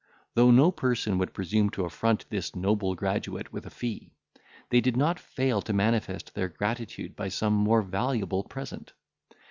Though no person would presume to affront this noble graduate with a fee, they did not fail to manifest their gratitude by some more valuable present.